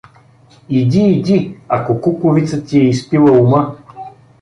— Иди, иди, ако кукувица ти е изпила ума!